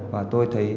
và tôi thấy